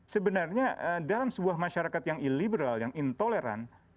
sebenarnya dalam sebuah masyarakat yang illiberal yang intoleran